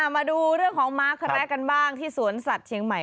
มาดูเรื่องของม้าแคระกันบ้างที่สวนสัตว์เชียงใหม่